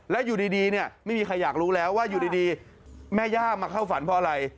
แล้วอยู่ดีเนี่ยไม่มีใครอยากรู้แล้วว่าอยู่ดีแม่ย่ามาเข้าฝันเพราะอะไร